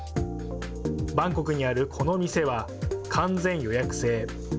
バンコクにあるこの店は、完全予約制。